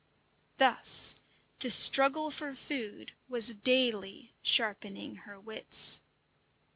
Thus the struggle for food was daily sharpening her wits.